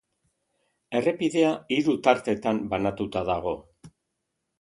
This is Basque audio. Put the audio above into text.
Errepidea hiru tartetan banatuta dago.